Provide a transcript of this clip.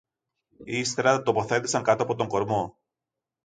Ύστερα τα τοποθέτησαν κάτω από τον κορμό